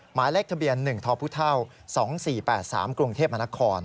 หมายแรกทะเบียน๑ทภูเท่า๒๔๘๓กรุงเทพฯมค